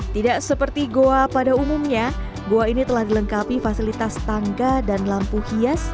tidak seperti goa pada umumnya goa ini telah dilengkapi fasilitas tangga dan lampu hias